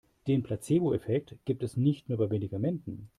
Den Placeboeffekt gibt es nicht nur bei Medikamenten.